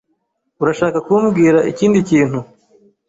Urashaka kumbwira ikindi kintu?